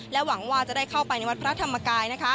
หวังว่าจะได้เข้าไปในวัดพระธรรมกาย